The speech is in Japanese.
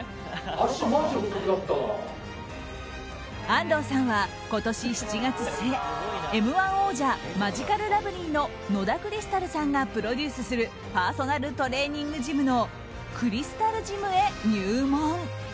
安藤さんは今年７月末「Ｍ‐１」王者マヂカルラブリーの野田クリスタルさんがプロデュースするパーソナルトレーニングジムのクリスタルジムへ入門。